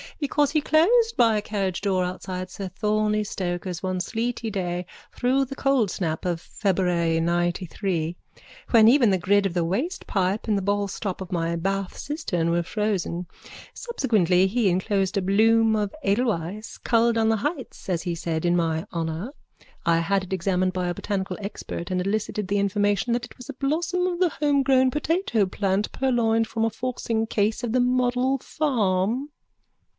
Because he closed my carriage door outside sir Thornley Stoker's one sleety day during the cold snap of February ninetythree when even the grid of the wastepipe and the ballstop in my bath cistern were frozen. Subsequently he enclosed a bloom of edelweiss culled on the heights, as he said, in my honour. I had it examined by a botanical expert and elicited the information that it was a blossom of the homegrown potato plant purloined from a forcingcase of the model farm.